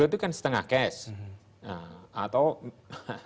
giro itu kan setengah cash